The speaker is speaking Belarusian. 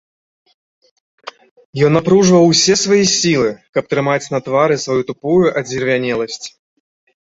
Ён напружваў усе свае сілы, каб трымаць на твары сваю тупую адзервянеласць.